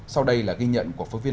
sau đây là ghi nhận của phóng viên